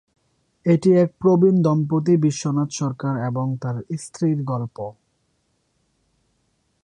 এটি এক প্রবীণ দম্পতি বিশ্বনাথ সরকার এবং তাঁর স্ত্রীর গল্প।